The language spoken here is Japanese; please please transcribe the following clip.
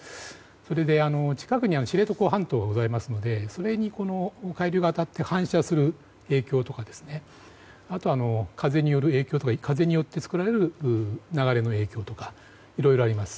それで、近くに知床半島がございますのでそれに海流が当たって反射する影響とか風による影響とか風によって作られる流れの影響とかいろいろあります。